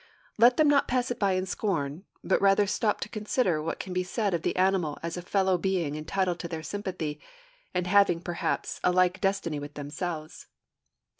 Let them not pass it by in scorn, but rather stop to consider what can be said of the animal as a fellow being entitled to their sympathy, and having, perhaps, a like destiny with themselves.